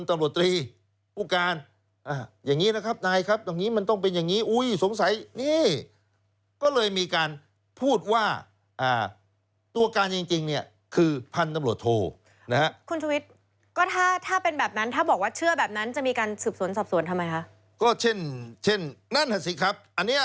ไม่ให้คุณดูรับรับ